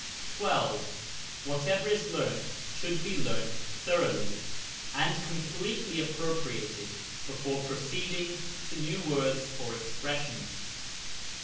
12, Whatever is learnt should be learnt thoroughly, and completely appropriated, before proceeding to new words or expressions.